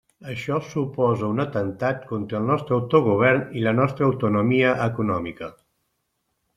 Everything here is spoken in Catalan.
Això suposa un atemptat contra el nostre autogovern i la nostra autonomia econòmica.